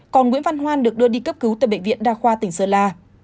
còn nguyễn văn hoan được đưa đi cấp cứu tại bệnh viện đa khoa tỉnh sơn la